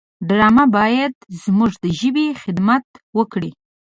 ډرامه باید زموږ د ژبې خدمت وکړي